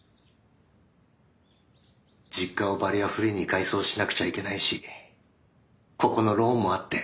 実家をバリアフリーに改装しなくちゃいけないしここのローンもあって。